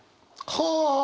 はあ！